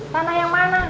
tanah yang mana